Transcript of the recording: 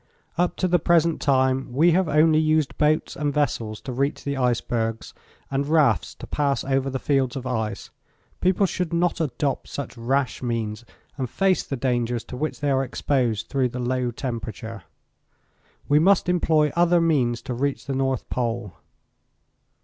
Up to the present time we have only used boats and vessels to reach the icebergs, and rafts to pass over the fields of ice. People should not adopt such rash means and face the dangers to which they are exposed through the low temperature. We must employ other means to reach the North Pole."